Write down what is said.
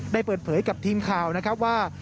ได้เปิดเผยกับทีมข่าวนะครับว่า